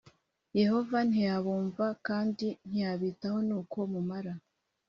Yehova ntiyabumva o kandi ntiyabitaho nuko mumara